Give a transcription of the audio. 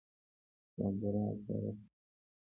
کابورا ته راښکاره سوو